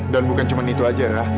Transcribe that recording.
dan bukan cuma itu aja ra